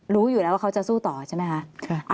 รู้อยู่แล้วว่าเขาจะสู้ต่อใช่ไหมคะ